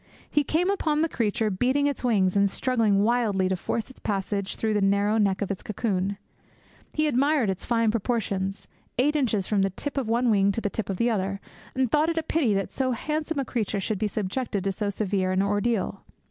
He came upon the creature beating its wings and struggling wildly to force its passage through the narrow neck of its cocoon. He admired its fine proportions, eight inches from the tip of one wing to the tip of the other, and thought it a pity that so handsome a creature should be subjected to so severe an ordeal.